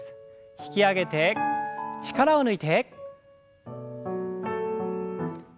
引き上げて力を抜いて。